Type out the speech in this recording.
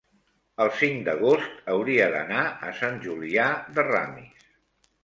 el cinc d'agost hauria d'anar a Sant Julià de Ramis.